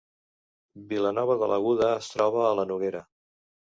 Vilanova de l’Aguda es troba a la Noguera